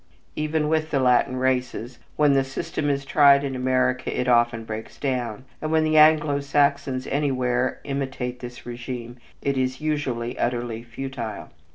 Even with the Latin races, when the system is tried in America it often breaks down, and when the Anglo Saxons anywhere imitate this régime it is usually utterly futile.